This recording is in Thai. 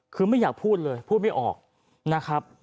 คือไม่อยากพูดเลยพูดไม่ออกนะครับ